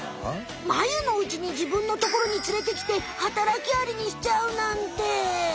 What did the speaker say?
マユのうちに自分の所に連れてきて働きアリにしちゃうなんて。